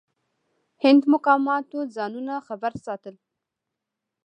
هند مقاماتو ځانونه خبر ساتل.